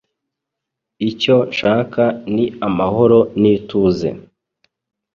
Icyo nshaka ni amahoro n'ituze.